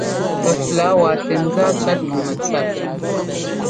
Pɛ flɔ̌wa tɛŋzá cʉ́ɛt nǔu mɛtsa tʉ.